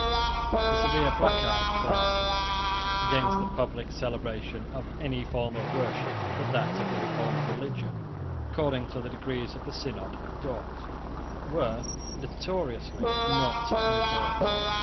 The severe placards, for instance, against the public celebration of any form of worship but that of the Reformed religion, according to the decrees of the Synod of Dort, were notoriously not enforced.